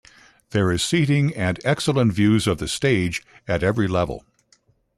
There is seating and excellent views of the Stage at every level.